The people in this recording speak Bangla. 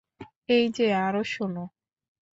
এই যে আরও শোনো।